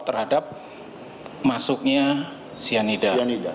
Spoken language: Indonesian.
terhadap masuknya sianida